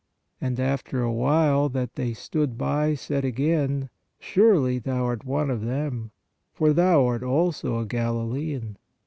And after a while they that stood by said again: Surely thou art one of them, for thou art also a Galilean.